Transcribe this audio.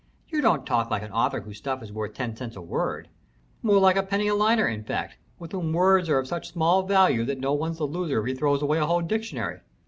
You don't talk like an author whose stuff is worth ten cents a word more like a penny a liner, in fact, with whom words are of such small value that no one's the loser if he throws away a whole dictionary.